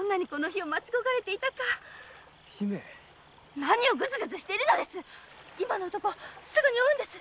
何をグズグズしているのです今の男をすぐに追うのです。